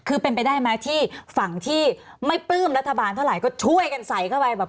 คือเป็นไปได้ไหมที่ฝั่งที่ไม่ปลื้มรัฐบาลเท่าไหร่ก็ช่วยกันใส่เข้าไปแบบ